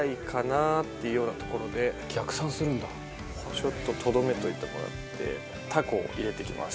ちょっととどめておいてもらってタコを入れていきます。